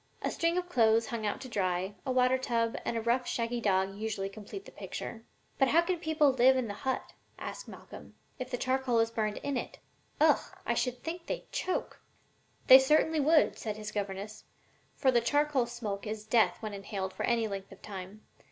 A string of clothes hung out to dry, a water tub and a rough, shaggy dog usually complete the picture.'" "But how can people live in the hut," asked Malcolm, "if the charcoal is burned in it? Ugh! I should think they'd choke." "They certainly would," said his governess; "for the charcoal smoke is death when inhaled for any length of time.